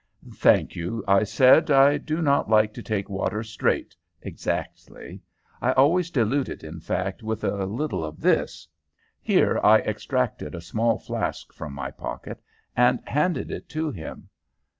"Thank you," I said. "I do not like to take water straight, exactly. I always dilute it, in fact, with a little of this." Here I extracted a small flask from my pocket and handed it to him.